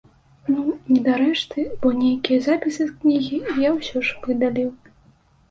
Ну, не дарэшты, бо нейкія запісы з кнігі я ўсё ж выдаліў.